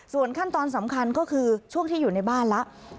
ส่วนขั้นตอนสำคัญก็คือช่วงที่อยู่ในบ้านแล้ว